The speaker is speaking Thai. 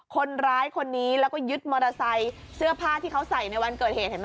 คนร้ายคนนี้แล้วก็ยึดมอเตอร์ไซค์เสื้อผ้าที่เขาใส่ในวันเกิดเหตุเห็นไหม